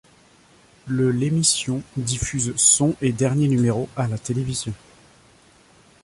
Le l'émission diffuse son et dernier numéro à la télévision.